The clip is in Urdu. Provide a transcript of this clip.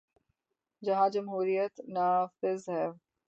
جہاں جمہوریت نافذ ہے۔